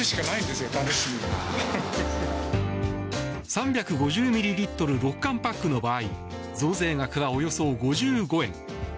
３５０ミリリットル６缶パックの場合増税額はおよそ５５円。